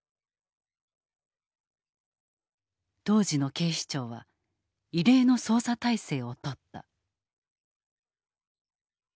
当時の警視庁は異例の捜査体制をとった。